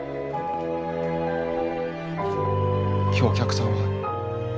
今日お客さんはまさか。